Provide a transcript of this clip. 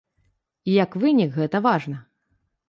Як вынік гэта важна.